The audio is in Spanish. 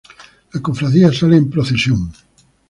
La cofradía sale en procesión con